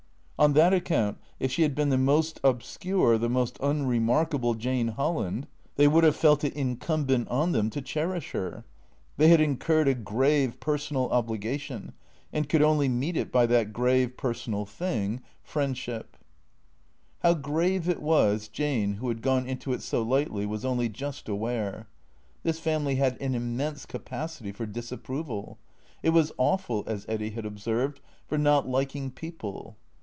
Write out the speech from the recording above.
On that account, if she had been the most obscure, the most unremarkable Jane Holland, they would have felt it incumbent on them to cherish her. They had incurred a grave personal obligation, and could only meet it by that grave personal thing, friendship. THECEEATOES 345 How grave it was, Jane, who had gone into it so lightly, was only just aware. This family had an immense capacity for disapproval ; it was awful, as Eddy had observed, for not liking people.